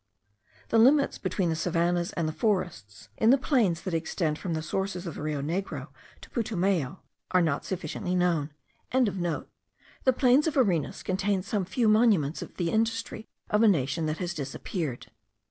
The limits between the savannahs and the forests, in the plains that extend from the sources of the Rio Negro to Putumayo, are not sufficiently known.) The plains of Varinas contain some few monuments of the industry of a nation that has disappeared.